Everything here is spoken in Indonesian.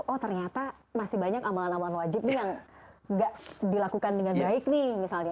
oh ternyata masih banyak amalan amalan wajib nih yang gak dilakukan dengan baik nih misalnya